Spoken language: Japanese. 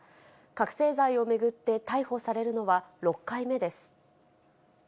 覚醒剤を巡って逮捕されるのは６回目です。